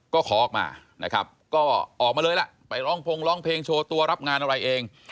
ก็ขอออกมานะครับก็ออกมาเลยล่ะไปร้องพงร้องเพลงโชว์ตัวรับงานอะไรเอง